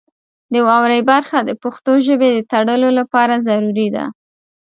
د واورئ برخه د پښتو ژبې د تړلو لپاره ضروري ده.